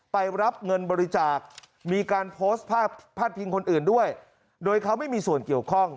ไปรับเงินบริจาคมีการโพสต์ภาพพาดพิงคนอื่นด้วยโดยเขาไม่มีส่วนเกี่ยวข้อง